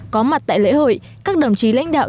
có mặt tại lễ hội các đồng chí lãnh đạo